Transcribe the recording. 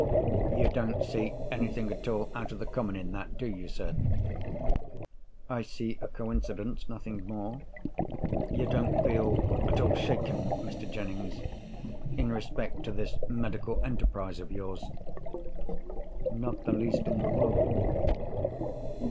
You don't see anything at all out of the common in that, do you, sir?" "I see a coincidence—nothing more." "You don't feel at all shaken, Mr. Jennings, in respect to this medical enterprise of yours? "Not the least in the world."